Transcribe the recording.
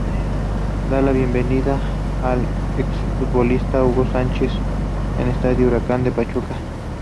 Da la bienvenida al exfutbolista Hugo Sánchez en estadio Huracán de Pachuca.